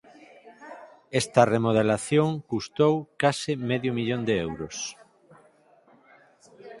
Esta remodelación custou case medio millón de euros.